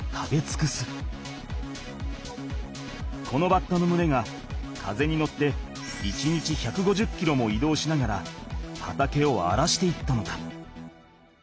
このバッタのむれが風に乗って１日１５０キロも移動しながら畑をあらしていったのだ。